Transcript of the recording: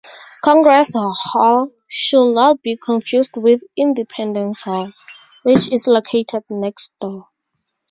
Congress Hall should not be confused with Independence Hall, which is located next door.